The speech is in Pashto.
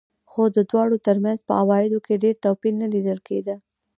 خو د دواړو ترمنځ په عوایدو کې ډېر توپیر نه لیدل کېده.